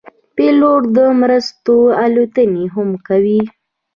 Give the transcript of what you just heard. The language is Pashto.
پیلوټ د مرستو الوتنې هم کوي.